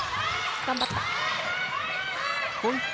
頑張った。